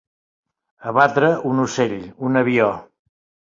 Abatre un ocell, un avió.